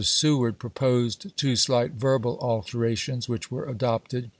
Seward proposed two slight verbal alterations, which were adopted.